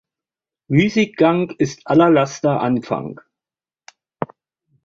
Müßiggang ist aller Laster Anfang.